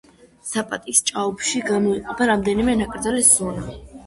საპატის ჭაობში გამოიყოფა რამდენიმე ნაკრძალის ზონა.